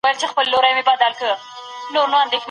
ایا نوي کروندګر جلغوزي ساتي؟